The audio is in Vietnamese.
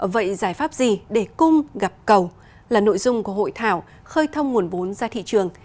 vậy giải pháp gì để cung gặp cầu là nội dung của hội thảo khơi thông nguồn vốn ra thị trường